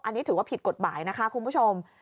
อันนี้ถือว่าผิดกฎหมายนะคะคุณผู้ชม